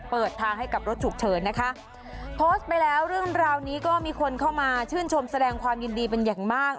เปิดทางให้กับรถฉุกเฉินนะคะโพสต์ไปแล้วเรื่องราวนี้ก็มีคนเข้ามาชื่นชมแสดงความยินดีเป็นอย่างมาก